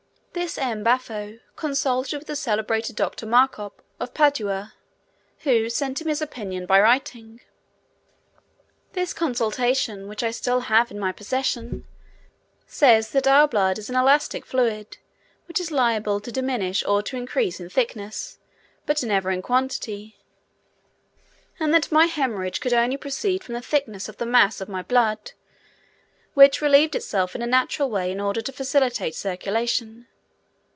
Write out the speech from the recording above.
This M. Baffo consulted the celebrated Doctor Macop, of Padua, who sent him his opinion by writing. This consultation, which I have still in my possession, says that our blood is an elastic fluid which is liable to diminish or to increase in thickness, but never in quantity, and that my haemorrhage could only proceed from the thickness of the mass of my blood, which relieved itself in a natural way in order to facilitate circulation.